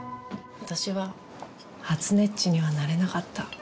私ははつねっちにはなれなかった。